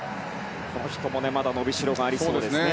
この人もまだ伸びしろがありそうですね。